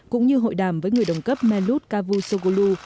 cũng như hội đàm với người đồng cấp melut cavusoglu